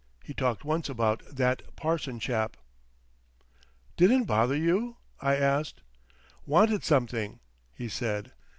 He talked once about "that parson chap." "Didn't bother you?" I asked. "Wanted something," he said.